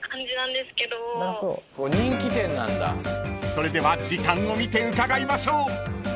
［それでは時間を見て伺いましょう］